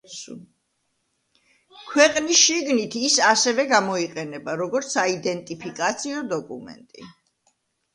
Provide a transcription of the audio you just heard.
ქვეყნის შიგნით ის ასევე გამოიყენება, როგორც საიდენტიფიკაციო დოკუმენტი.